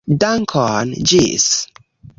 Dankon, ĝis!